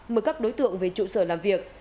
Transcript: mới các đối tượng về trụ sở làm việc